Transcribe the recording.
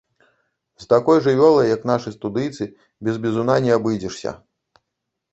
З такой жывёлай, як нашы студыйцы, без бізуна не абыдзешся.